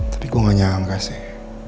tapi gue gak sih